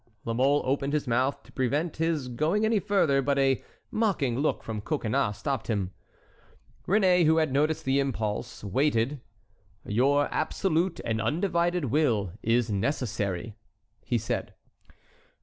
La Mole opened his mouth to prevent his going any further, but a mocking look from Coconnas stopped him. Réné, who had noticed the impulse, waited. "Your absolute and undivided will is necessary," he said.